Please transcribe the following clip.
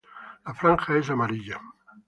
La franja es amarilla.